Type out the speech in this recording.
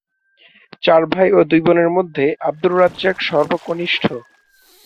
চার ভাই ও দুই বোনের মধ্যে আব্দুর রাজ্জাক সর্বকনিষ্ঠ।